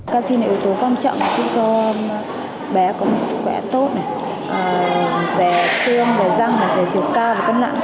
canxi là yếu tố quan trọng khi có bé có mức khỏe tốt về xương về răng về chiều cao và cân nặng